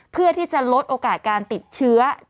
เพื่อที่จะลดโอกาสการติดเชื้อ